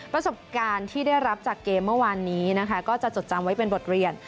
ประสบการณ์ที่ได้รับจากเกมเมื่อวานนี้นะคะก็จะจดจำไว้เป็นบทเรียน